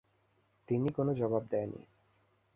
তিন্নি কোনো জবাব দেয় নি।